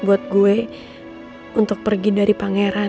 buat gue untuk pergi dari pangeran